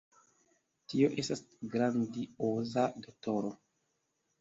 Tio estas grandioza, doktoro!